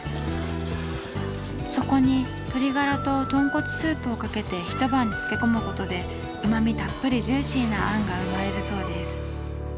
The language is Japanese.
そこに鶏ガラと豚骨スープをかけて一晩漬け込むことでうま味たっぷりジューシーなあんが生まれるそうです。